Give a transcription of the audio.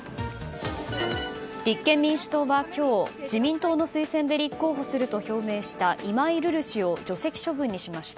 立憲民主党は今日自民党の推薦で立候補すると表明した今井瑠々氏を除籍処分にしました。